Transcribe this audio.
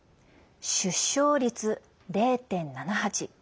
出生率０．７８。